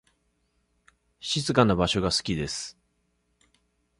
静かな場所が好きです。